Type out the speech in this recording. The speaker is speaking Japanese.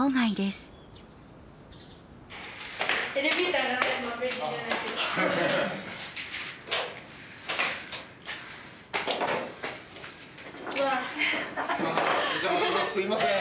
すいません。